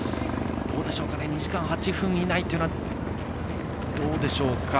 ２時間８分以内というのはどうでしょうか。